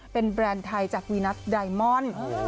เป็นแบรนด์ไทยจากวีนัทไดมอนด์